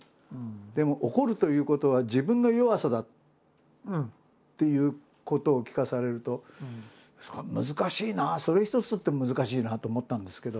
でも怒るということは自分の弱さだっていうことを聞かされるとすごい難しいなそれ一つとっても難しいなと思ったんですけど。